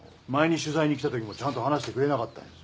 前に取材に来たときもちゃんと話してくれなかった。